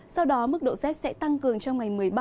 sau đó mức độ rét sẽ tăng cường trong ngày một mươi ba